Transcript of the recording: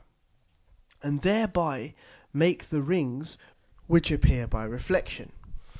and thereby make the Rings which appear by Reflexion.